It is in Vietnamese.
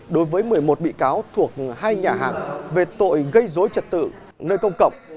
đối với một mươi một bị cáo thuộc hai nhà hàng về tội gây dối trật tự nơi công cộng